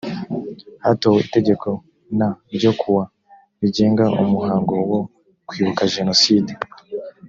hatowe itegeko n ryo kuwa rigenga umuhango wo kwibuka jenoside